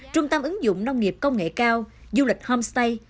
trung tâm ứng dụng nông nghiệp công nghệ cao du lịch homestay